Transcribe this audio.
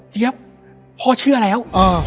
เจี๊ยบพ่อเชื่อแล้ว